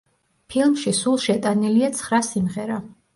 ფილმში სულ შეტანილია ცხრა სიმღერა.